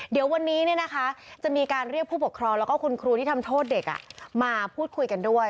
เดี๋ยววันนี้จะมีการเรียกผู้ปกครองแล้วก็คุณครูที่ทำโทษเด็กมาพูดคุยกันด้วย